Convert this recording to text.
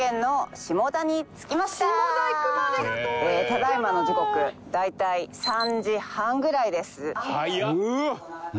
ただいまの時刻大体３時半ぐらいです。